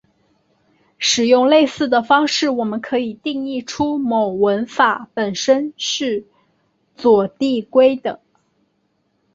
使用类似的方式我们可以定义出某文法本身是左递归的。